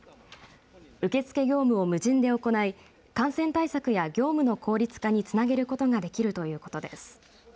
受け付け業務を無人で行い感染対策や業務の効率化につなげることができるということです。